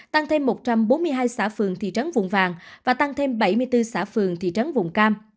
tăng thêm một trăm bốn mươi hai xã phường thị trấn vùng vàng và tăng thêm bảy mươi bốn xã phường thị trấn vùng cam